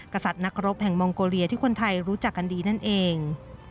กษัตริย์นักรบแห่งมองโกเลียที่คนไทยรู้จักกันดีนั่นเอง